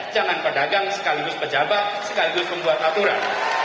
jangan pedagang sekaligus pejabat sekaligus pembuat aturan